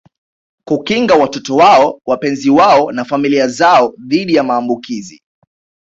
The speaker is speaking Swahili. Kukinga watoto wao wapenzi wao na familia zao dhidi ya maambukizi